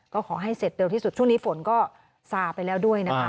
ก็ขอให้เสร็จเร็วที่สุดช่วงนี้ฝนก็ซาไปแล้วด้วยนะคะ